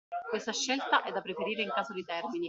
Questa scelta è da preferire in caso di termini